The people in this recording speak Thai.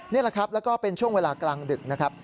นี่แหละครับแล้วก็เป็นช่วงเวลากลางดึกนะครับ